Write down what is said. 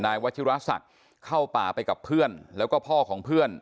วัชิราศักดิ์เข้าป่าไปกับเพื่อนแล้วก็พ่อของเพื่อน